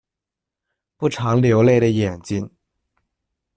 不常流泪的眼睛